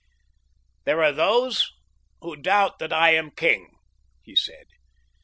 "There are those who doubt that I am king," he said.